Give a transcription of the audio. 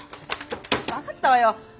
分かったわよ。